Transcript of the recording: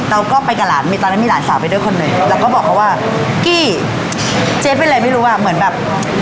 เราก็ไปกับหลานมีตอนนั้นมีหลานสาวไปด้วยคนหนึ่งแล้วก็บอกเขาว่ากี้เจ๊เป็นอะไรไม่รู้อ่ะเหมือนแบบ